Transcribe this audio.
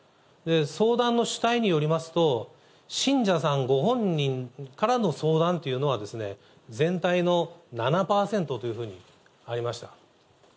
相談の主体によりますと、信者さんご本人からの相談っていうのは、全体の７％というふうにありました。